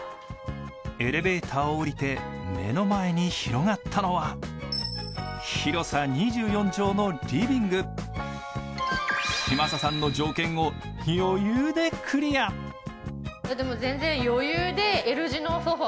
エレベーターを降りて目の前に広がったのは広さ２４畳のリビング嶋佐さんの条件を余裕でクリアでも全然Ｍ字のソファ